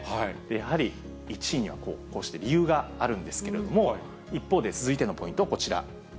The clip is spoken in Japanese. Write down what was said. やはり１位には、こうして理由があるんですけれども、一方で続いてのポイント、こちら。